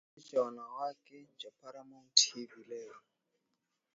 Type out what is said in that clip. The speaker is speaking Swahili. kikundi cha wanawake cha Paramount Hivi leo